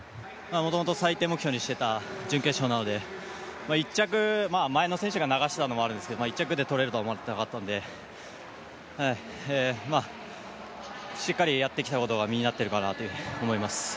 もともと最低目標にしてた準決勝なので１着、前の選手が流したのもあるんですけど１着取れるとは思っていなかったのでしっかりやってきたことが実になっているかなと思います。